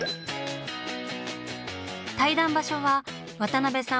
対談場所は渡辺さん